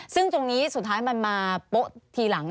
ซึ่งตรงนี้สุดท้ายมันมาโป๊ะทีหลัง